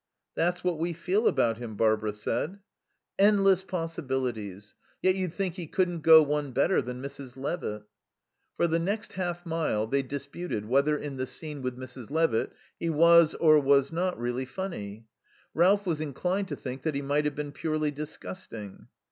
"That's what we feel about him," Barbara said. "Endless possibilities. Yet you'd think he couldn't go one better than Mrs. Levitt." For the next half mile they disputed whether in the scene with Mrs. Levitt he was or was not really funny. Ralph was inclined to think that he might have been purely disgusting.